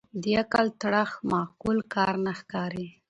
د عقل تړښت معقول کار نه ښکاري